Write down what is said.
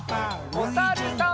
おさるさん。